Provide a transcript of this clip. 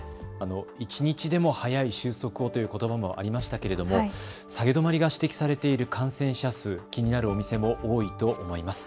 一日でも早い収束をということばもありましたけれども下げ止まりが指摘されている感染者数、気になるお店も多いと思います。